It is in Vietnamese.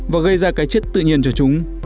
và gây ra cái chất tự nhiên cho chúng